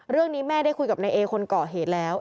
เรื่องนี้แม่ได้คุยกับนายเอคนก่อเหตุแล้ว